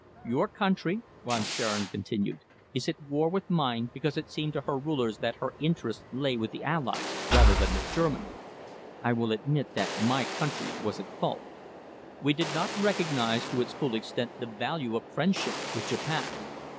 "Your country," Von Schwerin continued, "is at war with mine because it seemed to her rulers that her interests lay with the Allies rather than with Germany. I will admit that my country was at fault. We did not recognise to its full extent the value of friendship with Japan.